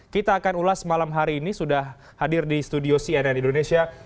kita akan ulas malam hari ini sudah hadir di studio cnn indonesia